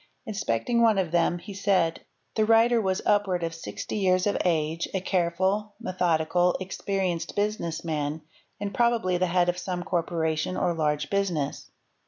Inspecting one of them, he said, '' The writer was upward of sixty years of age, a careful, methodi cal, experienced business man, and probably the head of some corporation — or large business.